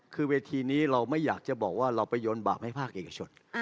คือเวทีนี้เราไม่อยากจะบอกว่าเราไปโยนบาปให้ภาคเอกชน